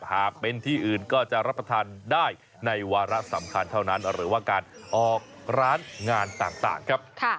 หากเป็นที่อื่นก็จะรับประทานได้ในวาระสำคัญเท่านั้นหรือว่าการออกร้านงานต่างครับ